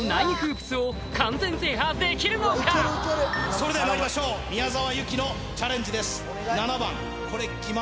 それではまいりましょう宮澤夕貴のチャレンジです